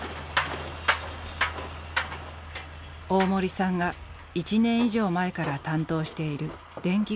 大森さんが１年以上前から担当している電気工事会社です。